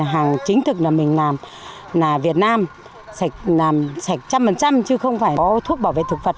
hàng chính thực là mình làm là việt nam sạch làm sạch một trăm linh chứ không phải có thuốc bảo vệ thực vật